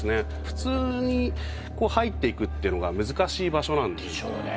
普通に入っていくっていうのが難しい場所なんですでしょうね